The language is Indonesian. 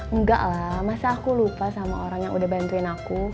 enggak lah masa aku lupa sama orang yang udah bantuin aku